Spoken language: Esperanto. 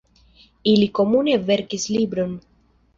Ili komune verkis libron.